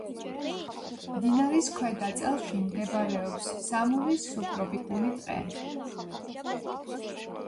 მდინარის ქვედა წელში მდებარეობს სამურის სუბტროპიკული ტყე.